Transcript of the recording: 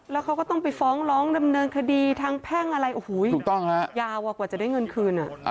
แล้วเขาก็ต้องไปฟ้องร้องดำเนินคดีทางแพ่งอะไรโอ้โห